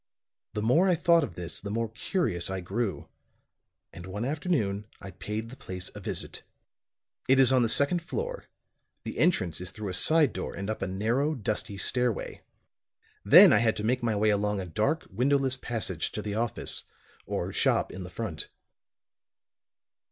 The more I thought of this, the more curious I grew; and one afternoon I paid the place a visit. It is on the second floor, the entrance is through a side door and up a narrow, dusty stairway. Then I had to make my way along a dark windowless passage to the office, or shop in the front.